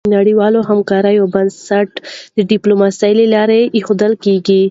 د نړیوالې همکارۍ بنسټ د ډيپلوماسی له لارې ایښودل کېږي.